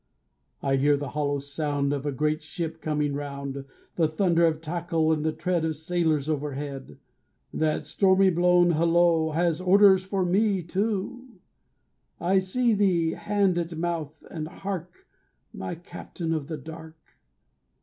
I hear the hollow sound Of a great ship coming round, The thunder of tackle and the tread Of sailors overhead. That stormy blown hulloo Has orders for me, too. I see thee, hand at mouth, and hark, My captain of the dark.